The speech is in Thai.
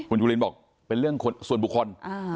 คุณจุลินบอกเป็นเรื่องส่วนบุคคล